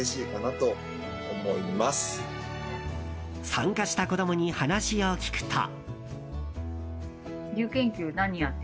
参加した子供に話を聞くと。